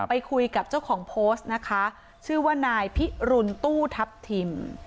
ไปคุยกับเจ้าของโพสต์นะคะชื่อว่านายพิรุณตู้ทัพทิม